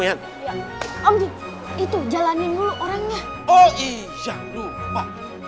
ya om itu jalanin dulu orangnya oh iya lupa